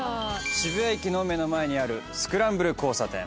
渋谷駅の目の前にあるスクランブル交差点。